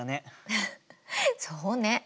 フフッそうね。